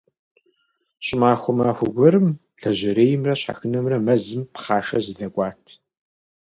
ЩӀымахуэ махуэ гуэрым лэжьэреймрэ щхьэхынэмрэ мэзым пхъашэ зэдэкӀуат.